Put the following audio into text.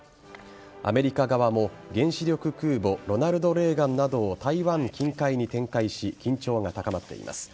アメリカ側も原子力空母「ロナルド・レーガン」などを台湾近海に展開し緊張が高まっています。